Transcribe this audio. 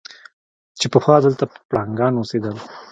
چې پخوا دلته پړانګان اوسېدل.